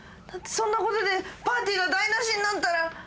そんな事でパーティーが台なしになったら。